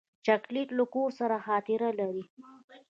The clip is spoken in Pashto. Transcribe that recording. چاکلېټ له کور سره خاطره لري.